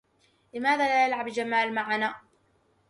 لماذا لا يلعب جمال معنا؟